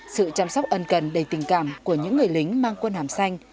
sự chăm sóc ân cần đầy tình cảm của những người lính mang quân hàm xanh